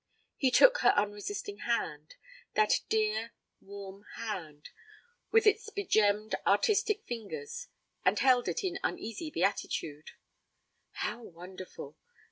He took her unresisting hand that dear, warm hand, with its begemmed artistic fingers, and held it in uneasy beatitude. How wonderful!